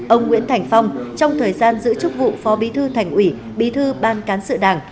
ông nguyễn thành phong trong thời gian giữ chức vụ phó bí thư thành ủy bí thư ban cán sự đảng